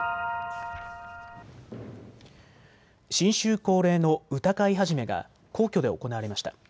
新春恒例の歌会始が皇居で行われました。